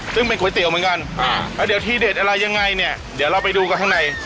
ซึ่งเป็นก๋วยเตี๋ยวเหมือนกันแล้วเดี๋ยวทีเด็ดอะไรยังไงเนี่ยเดี๋ยวเราไปดูกันข้างใน